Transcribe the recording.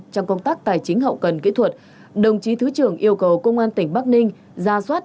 trong công tác tài chính hậu cần kỹ thuật đồng chí thứ trưởng yêu cầu công an tỉnh bắc ninh ra soát